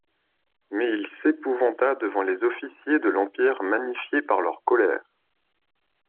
Mais il s'épouvanta devant les officiers de l'Empire magnifiés par leur colère.